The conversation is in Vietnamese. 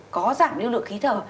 có giảm lưu lượng khí thở